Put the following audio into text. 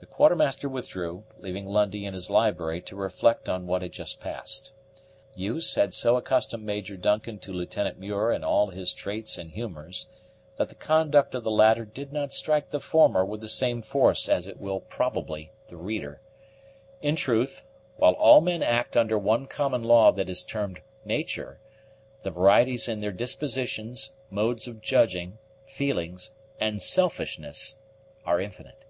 The Quartermaster withdrew, leaving Lundie in his library to reflect on what had just passed. Use had so accustomed Major Duncan to Lieutenant Muir and all his traits and humors, that the conduct of the latter did not strike the former with the same force as it will probably the reader. In truth, while all men act under one common law that is termed nature, the varieties in their dispositions, modes of judging, feelings, and selfishness are infinite.